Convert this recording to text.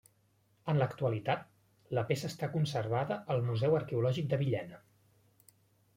En l'actualitat la peça està conservada al Museu Arqueològic de Villena.